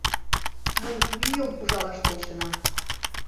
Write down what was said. Мый мӱйым ужалаш полшенам.